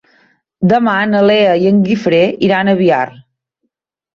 Demà na Lea i en Guifré iran a Biar.